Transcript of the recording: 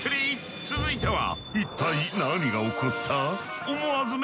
続いては。